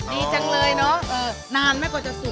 ดีจังเลยเนอะนานไหมกว่าจะสุก